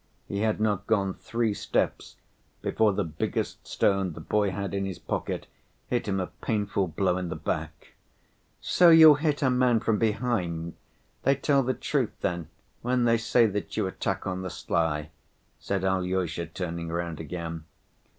He had not gone three steps before the biggest stone the boy had in his pocket hit him a painful blow in the back. "So you'll hit a man from behind! They tell the truth, then, when they say that you attack on the sly," said Alyosha, turning round again.